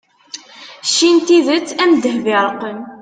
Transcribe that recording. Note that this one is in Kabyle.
cci n tidet am ddheb iṛeqqen